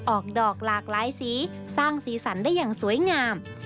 ออกดอกหลากหลายสีสร้างสีสันได้อย่างสวยงาม